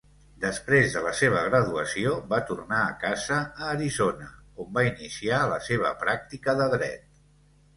Després de la seva graduació, va tornar a casa a Arizona, on va iniciar la seva pràctica de dret.